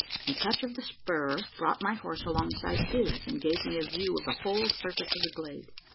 A touch of the spur brought my horse alongside his, and gave me a view of the whole surface of the glade.